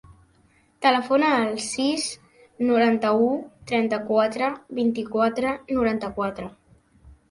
Telefona al sis, noranta-u, trenta-quatre, vint-i-quatre, noranta-quatre.